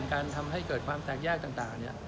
การทำให้เกิดความแตกแยกต่าง